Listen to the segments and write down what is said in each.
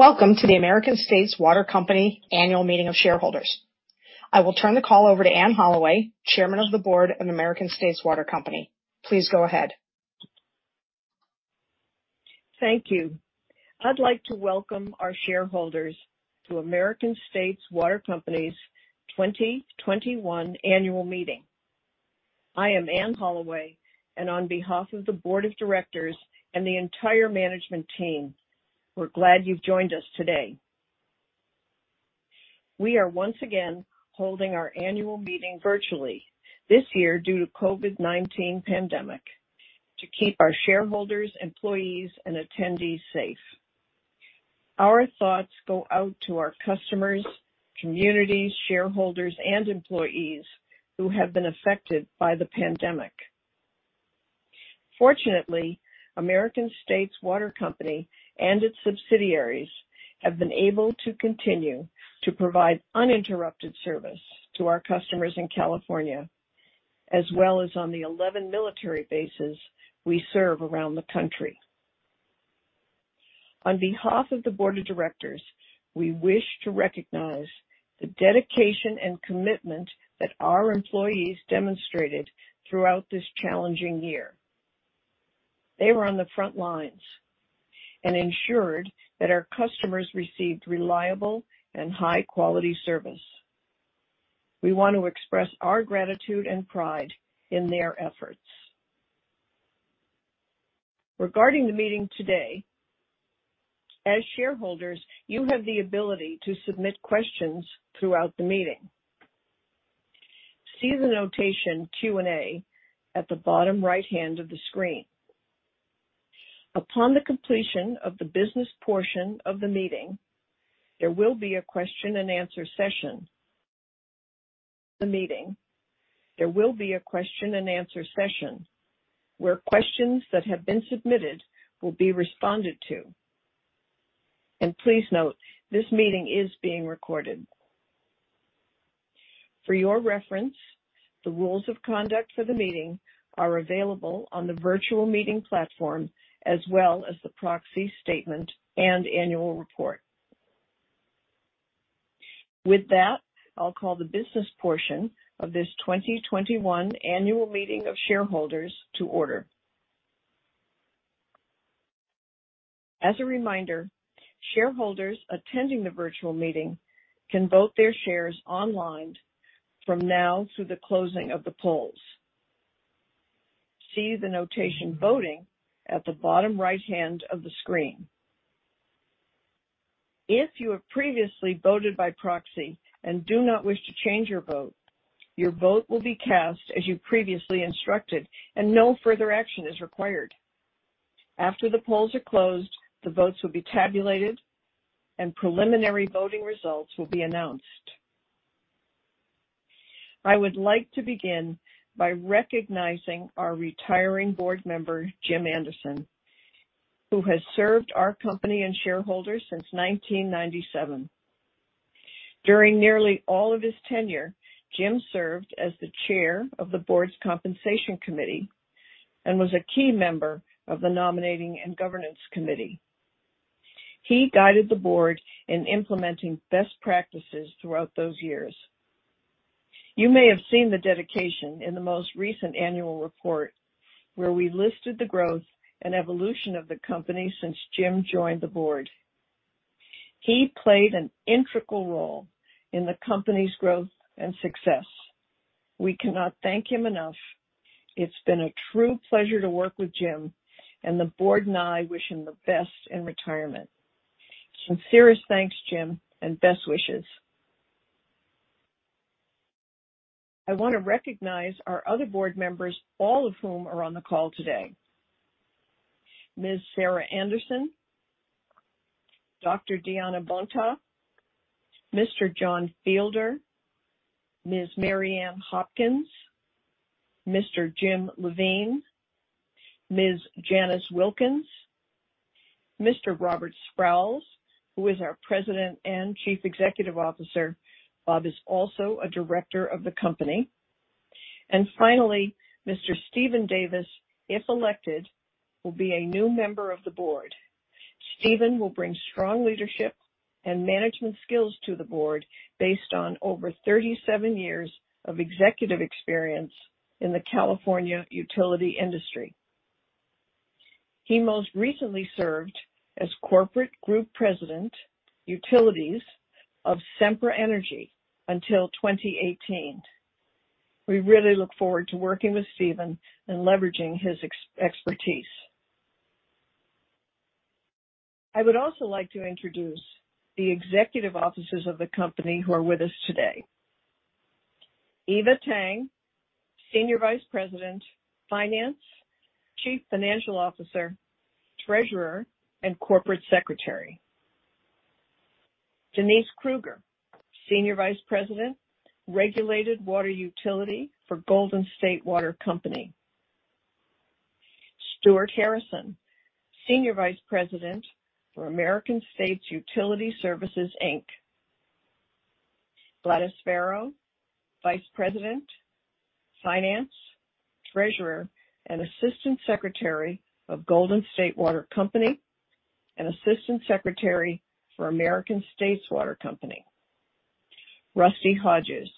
Welcome to the American States Water Company annual meeting of shareholders. I will turn the call over to Anne Holloway, Chair of the Board of Directors of American States Water Company. Please go ahead. Thank you. I'd like to welcome our shareholders to American States Water Company's 2021 annual meeting. I am Anne Holloway, and on behalf of the Board of Directors and the entire management team, we're glad you've joined us today. We are once again holding our annual meeting virtually this year due to COVID-19 pandemic to keep our shareholders, employees, and attendees safe. Our thoughts go out to our customers, communities, shareholders, and employees who have been affected by the pandemic. Fortunately, American States Water Company and its subsidiaries have been able to continue to provide uninterrupted service to our customers in California, as well as on the 11 military bases we serve around the country. On behalf of the board of directors, we wish to recognize the dedication and commitment that our employees demonstrated throughout this challenging year. They were on the front lines and ensured that our customers received reliable and high-quality service. We want to express our gratitude and pride in their efforts. Regarding the meeting today, as shareholders, you have the ability to submit questions throughout the meeting. See the notation Q&A at the bottom right-hand side of the screen. Upon the completion of the business portion of the meeting, there will be a question-and-answer session where questions that have been submitted will be responded to. Please note, this meeting is being recorded. For your reference, the rules of conduct for the meeting are available on the virtual meeting platform as well as the proxy statement and annual report. With that, I'll call the business portion of this 2021 annual meeting of shareholders to order. As a reminder, shareholders attending the virtual meeting can vote their shares online from now through the closing of the polls. See the voting notation at the bottom right-hand of the screen. If you have previously voted by proxy and do not wish to change your vote, your vote will be cast as you previously instructed, and no further action is required. After the polls are closed, the votes will be tabulated and preliminary voting results will be announced. I would like to begin by recognizing our retiring board member, James Anderson, who has served our company and shareholders since 1997. During nearly all of his tenure, James served as the chair of the board's compensation committee and was a key member of the nominating and governance committee. He guided the Board in implementing best practices throughout those years. You may have seen the dedication in the most recent annual report, where we listed the growth and evolution of the company since James joined the Board. He played an integral role in the company's growth and success. We cannot thank him enough. It's been a true pleasure to work with James, and the Board and I wish him the best in retirement. Sincerest thanks, James, and best wishes. I want to recognize our other Board members, all of whom are on the call today. Ms. Sarah Anderson, Dr. Diana Bontá, Mr. John Fielder, Ms. Mary Ann Hopkins, Mr. James Levin, Ms. Janice Wilkins, Mr. Robert Sprowls, who is our President and Chief Executive Officer. Robert is also a Director of the company. Finally, Mr. Steven Davis, if elected, will be a new member of the Board. Steven will bring strong leadership and management skills to the board based on over 37 years of executive experience in the California utility industry. He most recently served as Corporate Group President, Utilities of Sempra Energy until 2018. We really look forward to working with Steven and leveraging his expertise. I would also like to introduce the executive officers of the company who are with us today. Eva Tang, Senior Vice President, Finance; Chief Financial Officer; Treasurer; and Corporate Secretary. Denise Kruger, Senior Vice President, Regulated Water Utility for Golden State Water Company. Stuart Harrison, Senior Vice President for American States Utility Services, Inc. Gladys Farrow, Vice President, Finance, Treasurer, and Assistant Secretary of Golden State Water Company and Assistant Secretary for American States Water Company. Rusty Hodges,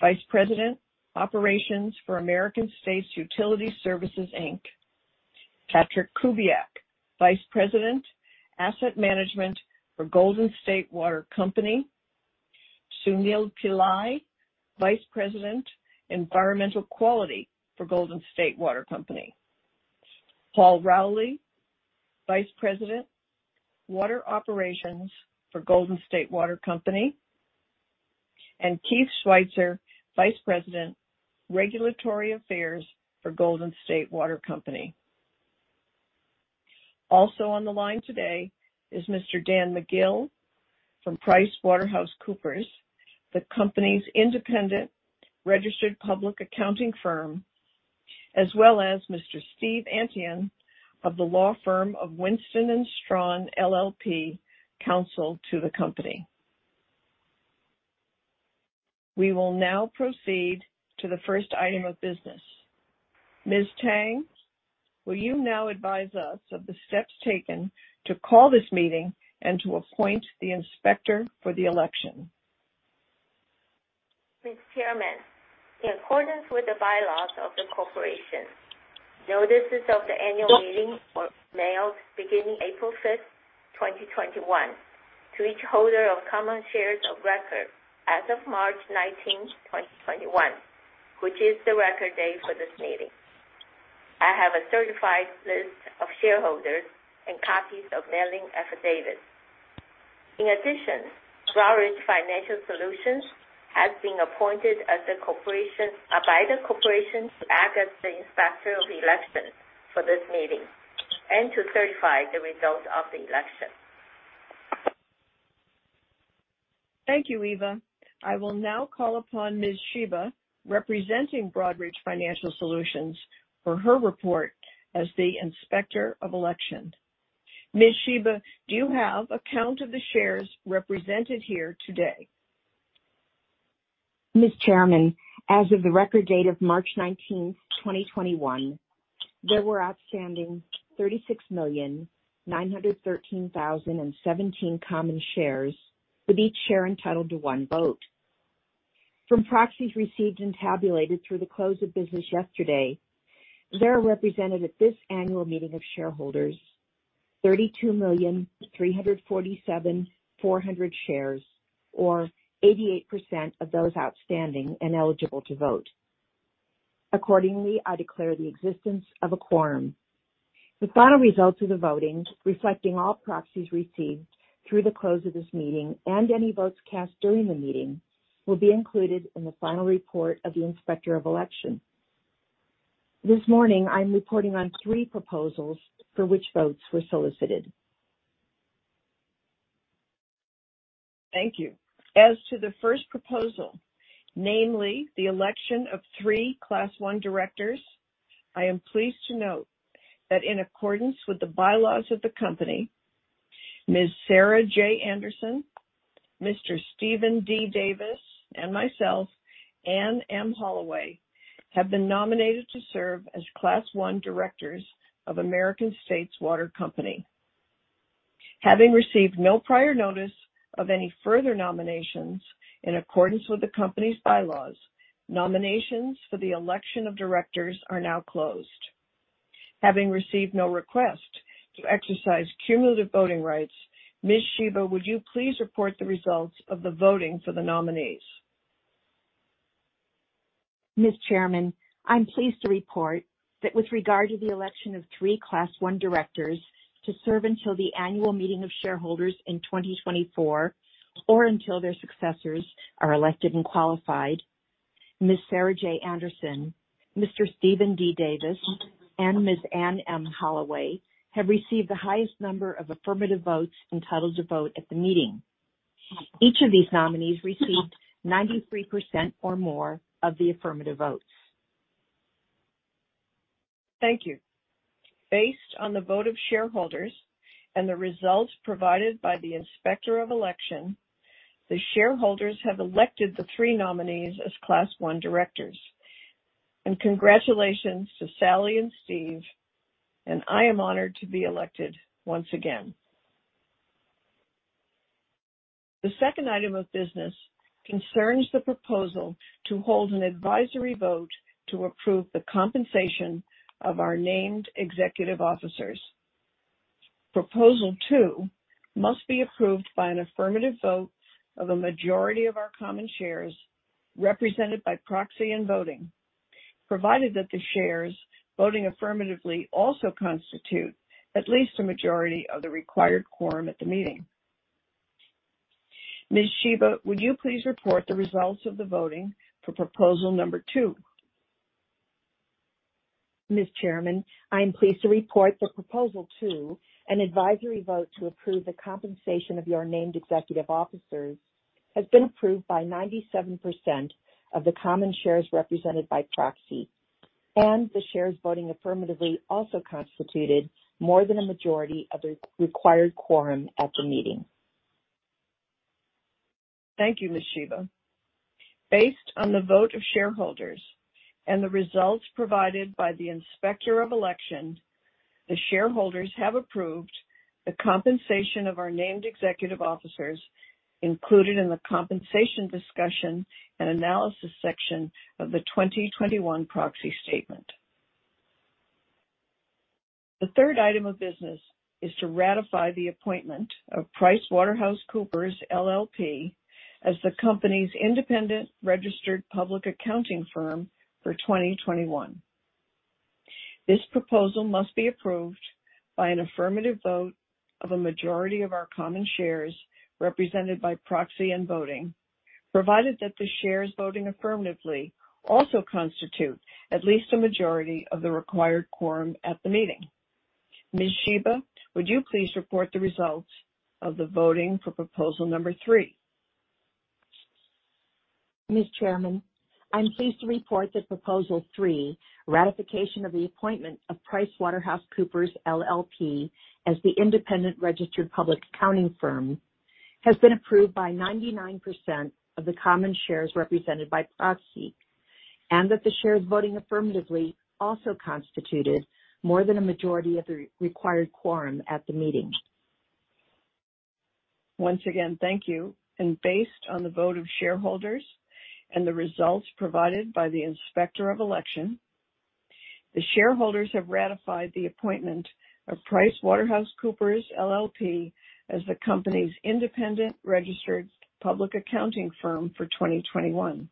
Vice President, Operations for American States Utility Services, Inc. Patrick Kubiak, Vice President, Asset Management for Golden State Water Company. Sunil Pillai, Vice President, Environmental Quality for Golden State Water Company. Paul Rowley, Vice President, Water Operations for Golden State Water Company, and Bryan K. Switzer, Vice President, Regulatory Affairs for Golden State Water Company. Also on the line today is Mr. Dan McGill from PricewaterhouseCoopers, the company's independent registered public accounting firm, as well as Mr. Stephen Antion of the law firm of Winston & Strawn LLP, counsel to the company. We will now proceed to the first item of business. Ms. Tang, will you now advise us of the steps taken to call this meeting and to appoint the inspector for the election? Ms. Chairman, in accordance with the bylaws of the corporation, notices of the annual meeting were mailed beginning April 5th, 2021, to each holder of common shares of record as of March 19th, 2021, which is the record date for this meeting. I have a certified list of shareholders and copies of mailing affidavits. In addition, Broadridge Financial Solutions has been appointed by the corporation as the inspector of election for this meeting and to certify the results of the election. Thank you, Eva. I will now call upon Ms. Shiba, representing Broadridge Financial Solutions, for her report as the inspector of election. Ms. Shiba, do you have a count of the shares represented here today? Ms. Chair, as of the record date of March 19th, 2021, there were outstanding 36,913,017 common shares, with each share entitled to one vote. From proxies received and tabulated through the close of business yesterday, there are represented at this annual meeting of shareholders 32,347,400 shares, or 88% of those outstanding and eligible to vote. Accordingly, I declare the existence of a quorum. The final results of the voting, reflecting all proxies received through the close of this meeting and any votes cast during the meeting, will be included in the final report of the Inspector of Election. This morning, I'm reporting on three proposals for which votes were solicited. Thank you. As to the first proposal, namely, the election of three Class 1 directors, I am pleased to note that in accordance with the bylaws of the company, Ms. Sarah J. Anderson, Mr. Steven D. Davis, and myself, Anne M. Holloway, have been nominated to serve as Class 1 directors of American States Water Company. Having received no prior notice of any further nominations, in accordance with the company's bylaws, nominations for the election of directors are now closed. Having received no request to exercise cumulative voting rights, Ms. Shiba, would you please report the results of the voting for the nominees? Ms. Chair, I'm pleased to report that with regard to the election of three Class One directors to serve until the annual meeting of shareholders in 2024 or until their successors are elected and qualified, Ms. Sarah J. Anderson, Mr. Steven D. Davis, and Ms. Anne M. Holloway have received the highest number of affirmative votes entitled to vote at the meeting. Each of these nominees received 93% or more of the affirmative votes. Thank you. Based on the vote of shareholders and the results provided by the inspector of election, the shareholders have elected the three nominees as Class 1 Directors. Congratulations to Sarah and Steve, and I am honored to be elected once again. The second item of business concerns the proposal to hold an advisory vote to approve the compensation of our named executive officers. Proposal two must be approved by an affirmative vote of a majority of our common shares represented by proxy and voting, provided that the shares voting affirmatively also constitute at least a majority of the required quorum at the meeting. Ms. Shiba, would you please report the results of the voting for proposal number two? Ms. Chairman, I am pleased to report that proposal two, an advisory vote to approve the compensation of your named executive officers, has been approved by 97% of the common shares represented by proxy. The shares voting affirmatively also constituted more than a majority of the required quorum at the meeting. Thank you, Ms. Shiba. Based on the vote of shareholders and the results provided by the Inspector of Election, the shareholders have approved the compensation of our named executive officers included in the compensation discussion and analysis section of the 2021 proxy statement. The third item of business is to ratify the appointment of PricewaterhouseCoopers LLP as the company's independent registered public accounting firm for 2021. This proposal must be approved by an affirmative vote of a majority of our common shares represented by proxy and voting, provided that the shares voting affirmatively also constitute at least a majority of the required quorum at the meeting. Ms. Shiba, would you please report the results of the voting for proposal number three? Ms. Chairman, I'm pleased to report that proposal three, ratification of the appointment of PricewaterhouseCoopers LLP as the independent registered public accounting firm, has been approved by 99% of the common shares represented by proxy and that the shares voting affirmatively also constituted more than a majority of the required quorum at the meeting. Once again, thank you, and based on the vote of shareholders and the results provided by the Inspector of Election, the shareholders have ratified the appointment of PricewaterhouseCoopers LLP as the company's independent registered public accounting firm for 2021.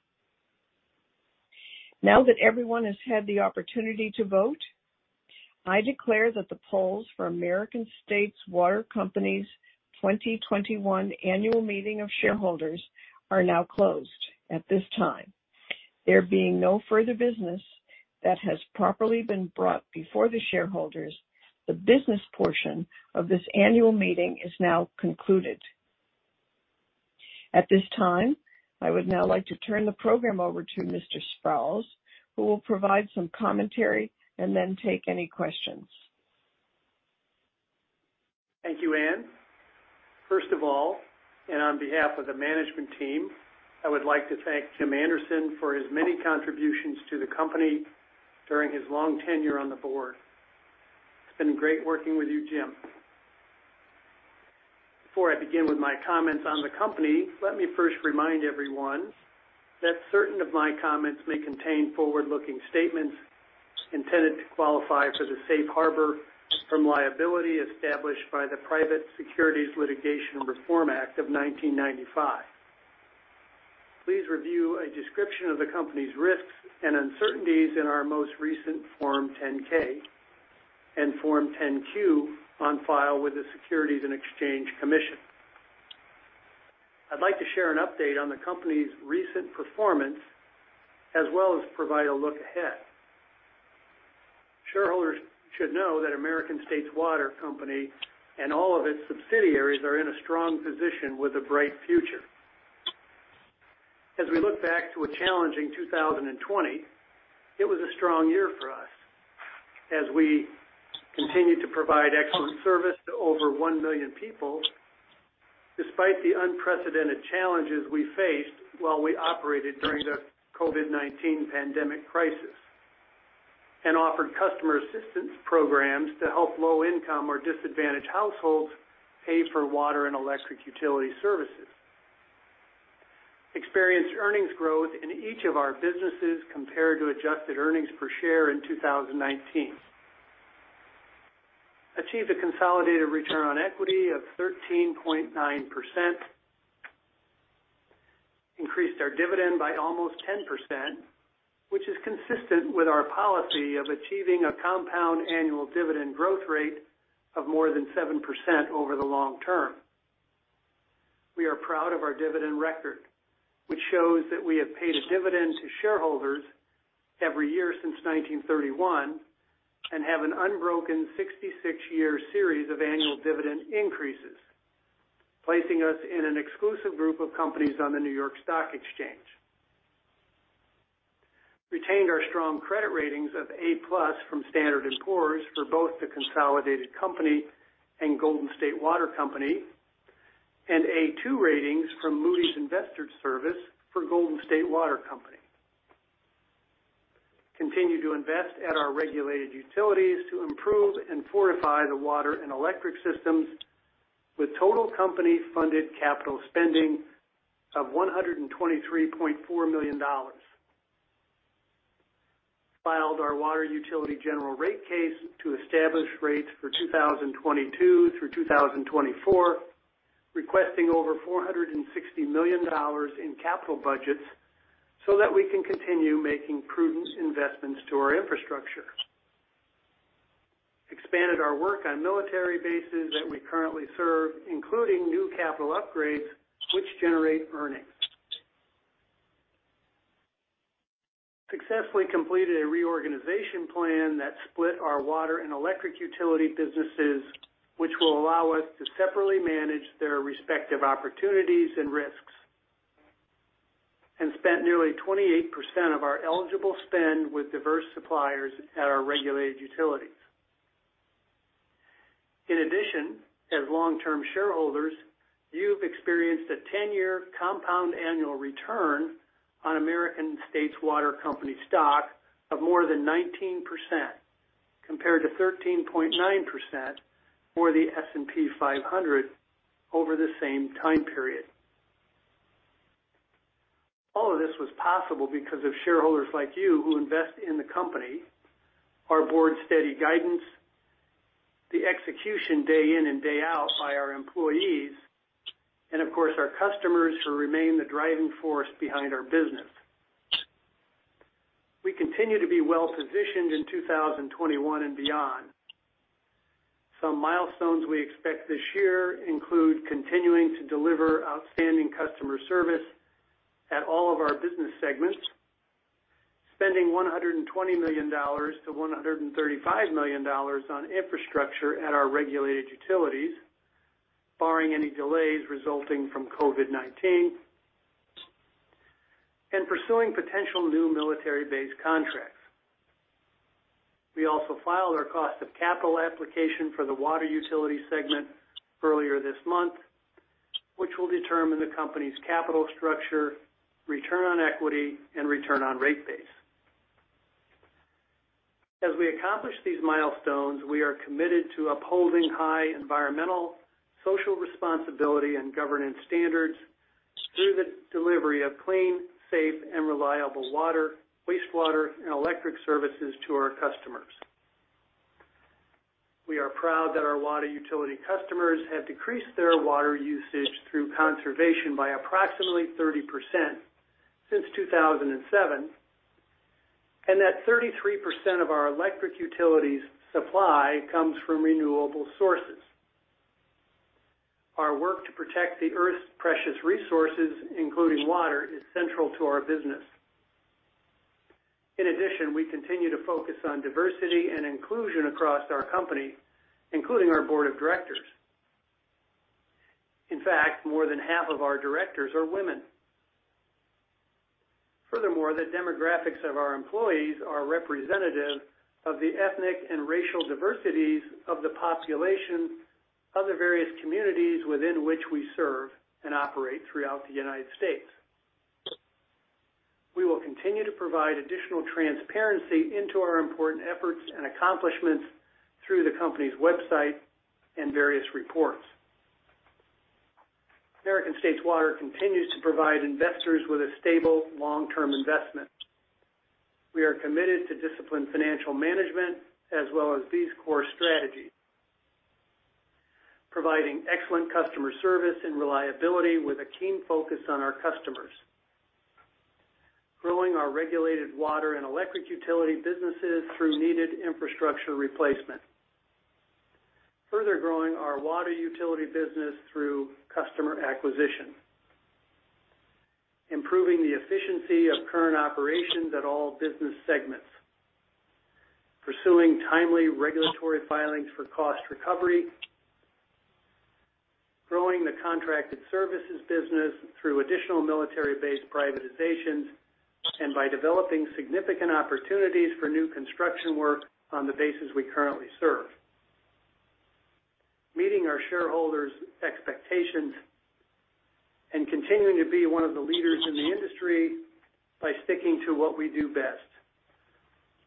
Now that everyone has had the opportunity to vote, I declare that the polls for American States Water Company's 2021 annual meeting of shareholders are now closed at this time. There being no further business that has properly been brought before the shareholders, the business portion of this annual meeting is now concluded. At this time, I would now like to turn the program over to Mr. Sprowls, who will provide some commentary and then take any questions. Thank you, Anne. First of all, and on behalf of the management team, I would like to thank Jim Anderson for his many contributions to the company during his long tenure on the board. It's been great working with you, Jim. Before I begin with my comments on the company, let me first remind everyone that certain of my comments may contain forward-looking statements intended to qualify for the safe harbor from liability established by the Private Securities Litigation Reform Act of 1995. Please review a description of the company's risks and uncertainties in our most recent Form 10-K and Form 10-Q on file with the Securities and Exchange Commission. I'd like to share an update on the company's recent performance as well as provide a look ahead. Shareholders should know that American States Water Company and all of its subsidiaries are in a strong position with a bright future. As we look back to a challenging 2020, it was a strong year for us as we continued to provide excellent service to over 1 million people despite the unprecedented challenges we faced while we operated during the COVID-19 pandemic crisis and offered customer assistance programs to help low-income or disadvantaged households pay for water and electric utility services. Experienced earnings growth in each of our businesses compared to adjusted earnings per share in 2019. Achieved a consolidated return on equity of 13.9%. Increased our dividend by almost 10%, which is consistent with our policy of achieving a compound annual dividend growth rate of more than 7% over the long term. We are proud of our dividend record, which shows that we have paid a dividend to shareholders every year since 1931 and have an unbroken 66-year series of annual dividend increases, placing us in an exclusive group of companies on the New York Stock Exchange. Retained our strong credit ratings of A+ from Standard & Poor's for both the consolidated company and Golden State Water Company, and A2 ratings from Moody's Investors Service for Golden State Water Company. Continued to invest at our regulated utilities to improve and fortify the water and electric systems with total company-funded capital spending of $123.4 million. Filed our water utility general rate case to establish rates for 2022 through 2024, requesting over $460 million in capital budgets so that we can continue making prudent investments to our infrastructure. Expanded our work on military bases that we currently serve, including new capital upgrades that generate earnings. Successfully completed a reorganization plan that split our water and electric utility businesses, which will allow us to separately manage their respective opportunities and risks. Spent nearly 28% of our eligible spend with diverse suppliers at our regulated utilities. In addition, as long-term shareholders, you have experienced a 10-year compound annual return on American States Water Company stock of more than 19%, compared to 13.9% for the S&P 500 over the same time period. All of this was possible because of shareholders like you who invest in the company, our board's steady guidance, the execution day in and day out by our employees, and of course, our customers who remain the driving force behind our business. We continue to be well-positioned in 2021 and beyond. Some milestones we expect this year include continuing to deliver outstanding customer service at all of our business segments, spending $120 million-$135 million on infrastructure at our regulated utilities, barring any delays resulting from COVID-19, and pursuing potential new military base contracts. We also filed our cost of capital application for the water utility segment earlier this month, which will determine the company's capital structure, return on equity, and return on rate base. As we accomplish these milestones, we are committed to upholding high environmental, social responsibility, and governance standards through the delivery of clean, safe, and reliable water, wastewater, and electric services to our customers. We are proud that our water utility customers have decreased their water usage through conservation by approximately 30% since 2007 and that 33% of our electric utilities' supply comes from renewable sources. Our work to protect the Earth's precious resources, including water, is central to our business. In addition, we continue to focus on diversity and inclusion across our company, including our board of directors. In fact, more than half of our directors are women. Furthermore, the demographics of our employees are representative of the ethnic and racial diversities of the populations of the various communities within which we serve and operate throughout the United States. We will continue to provide additional transparency into our important efforts and accomplishments through the company's website and various reports. American States Water continues to provide investors with a stable, long-term investment. We are committed to disciplined financial management as well as these core strategies: providing excellent customer service and reliability with a keen focus on our customers; growing our regulated water and electric utility businesses through needed infrastructure replacement; further growing our water utility business through customer acquisition; improving the efficiency of current operations at all business segments; pursuing timely regulatory filings for cost recovery; growing the contracted services business through additional military base privatizations and by developing significant opportunities for new construction work on the bases we currently serve; meeting our shareholders' expectations; and continuing to be one of the leaders in the industry by sticking to what we do best,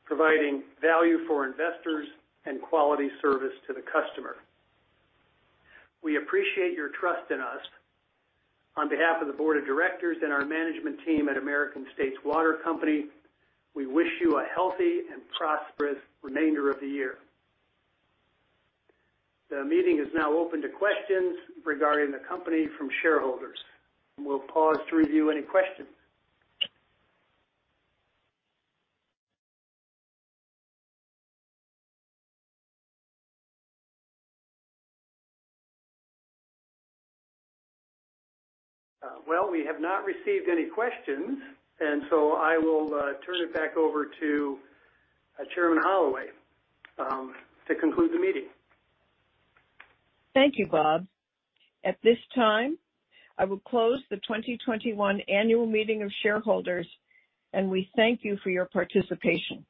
providing value for investors and quality service to the customer. We appreciate your trust in us. On behalf of the board of directors and our management team at American States Water Company, we wish you a healthy and prosperous remainder of the year. The meeting is now open to questions regarding the company from shareholders. We'll pause to review any questions. Well, we have not received any questions, and so I will turn it back over to Chairman Holloway to conclude the meeting. Thank you, Rob. At this time, I will close the 2021 annual meeting of shareholders, and we thank you for your participation.